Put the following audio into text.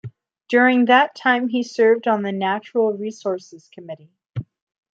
During that time he served on the Natural Resources Committee.